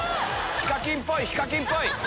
ＨＩＫＡＫＩＮっぽいＨＩＫＡＫＩＮっぽい！